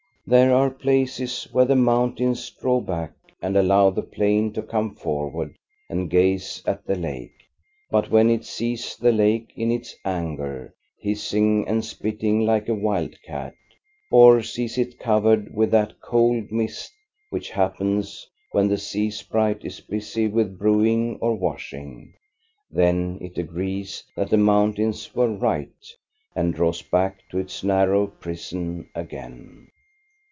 There are places where the mountains draw back and allow the plain to come forward and gaze at the lake. But when it sees the lake in its anger, hiss ing and spitting like a wildcat, or sees it covered with that cold mist which happens when the sea sprite is busy with brewing or washing, then it agrees that the mountains were right, and draws back to its narrow prison again.